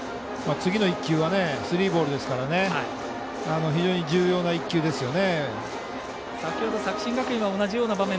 次の１球はスリーボールですから非常に重要な１球ですよね。